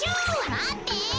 まって。